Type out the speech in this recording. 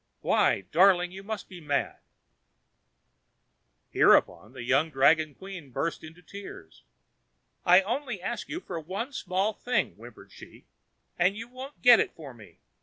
Why! darling, you must be mad." Hereupon the young dragon queen burst into tears. "I only ask you for one small thing," whimpered she, "and you won't get it for me.